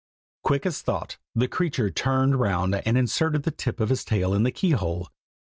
Quick as thought the creature turned round and inserted the tip of his tail in the key hole.